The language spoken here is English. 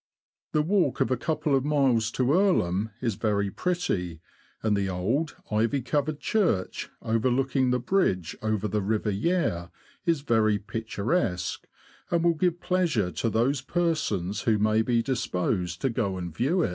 The walk of a couple of miles to Earlham is very pretty, and the old, ivy covered church, overlooking the bridge over the river Yare, is very picturesque, and will give pleasure to those persons who may be disposed to go and view it.